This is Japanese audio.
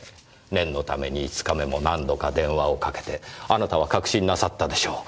念のために５日目も何度か電話をかけてあなたは確信なさったでしょう。